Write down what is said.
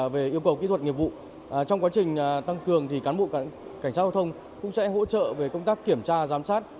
về yêu cầu kỹ thuật nghiệp vụ trong quá trình tăng cường thì cán bộ cảnh sát giao thông cũng sẽ hỗ trợ về công tác kiểm tra giám sát